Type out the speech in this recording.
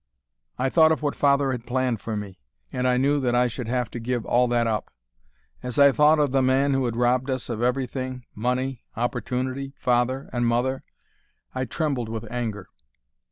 I thought of what father had planned for me; and I knew that I should have to give all that up. As I thought of the man who had robbed us of everything money, opportunity, father and mother I trembled with anger.